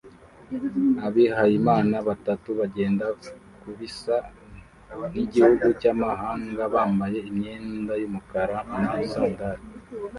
Abihayimana batatu bagenda mubisa nkigihugu cyamahanga bambaye imyenda yumukara na sandali